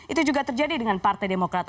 itu juga terjadi dengan partai demokrat